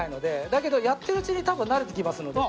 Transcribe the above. だけどやってるうちに多分慣れてきますので。